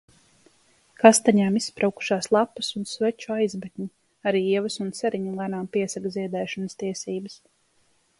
Kastaņām izspraukušās lapas un sveču aizmetņi, arī ievas un ceriņi lēnām piesaka ziedēšanas tiesības.